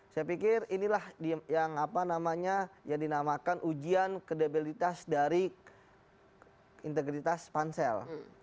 saya pikir inilah yang apa namanya yang dinamakan ujian kedebilitas dari integritas pansel